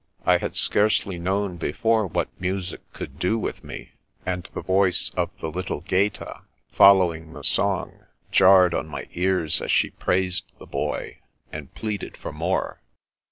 I had scarcely known before what music could do with me, and the voice of the little Gaeta, following the song, jarred on my ears as she praised the Boy, and pleaded for more.